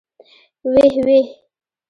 ويح ويح.